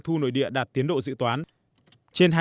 thu nội địa đạt tiến độ dự toán